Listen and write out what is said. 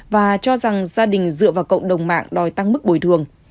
và cho rằng gia đình dựa vào cộng đồng mạng đòi tăng mức bồi thường